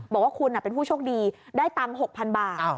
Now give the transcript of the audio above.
บอกว่าคุณเป็นผู้โชคดีได้ตำ๖พันบาท